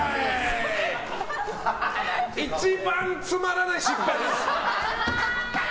一番つまらない失敗です。